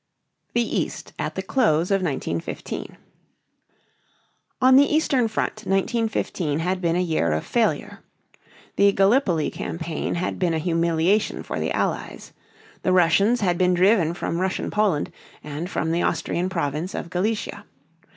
THE EAST AT THE CLOSE OF 1915. On the eastern front 1915 had been a year of failure. The Gallipoli campaign had been a humiliation for the Allies. The Russians had been driven from Russian Poland and from the Austrian province of Galicia.